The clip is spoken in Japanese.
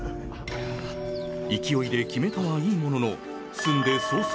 勢いで決めたはいいものの住んで早々。